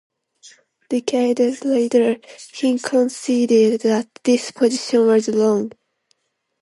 Decades later, he conceded that this position was wrong.